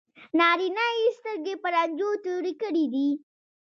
نارینه یې سترګې په رنجو تورې کړې وي.